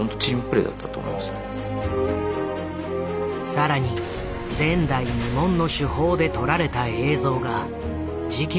更に前代未聞の手法で撮られた映像が事件を動かす。